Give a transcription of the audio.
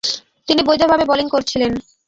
তিনি বৈধভাবে বোলিং করছিলেন।